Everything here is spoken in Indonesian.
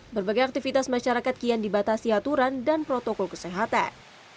berbagai aktivitas masyarakat kian dibatasi aturan dan protokol kesehatan